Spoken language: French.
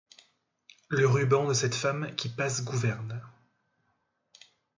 Le ruban de cette femme qui passe gouverne.